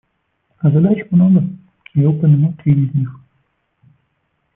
А задач много; я упомяну три из них.